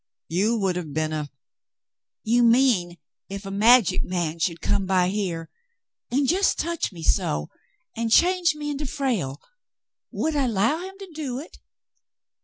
You would have been a —" "You mean if a magic man should come by here an' just touch me so, an' change me into Frale, would I 'low him to do hit?"